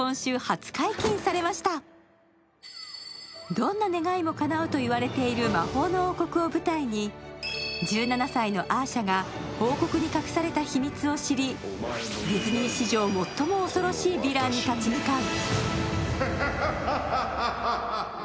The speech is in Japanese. どんな願いもかなうと言われている魔法の王国を舞台に１７歳のアーシャが王国に隠された秘密を知りディズニー史上最も恐ろしいヴィランに立ち向かう。